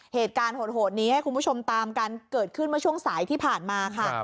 เหตุการณ์โหดนี้ให้คุณผู้ชมตามกันเกิดขึ้นเมื่อช่วงสายที่ผ่านมาค่ะ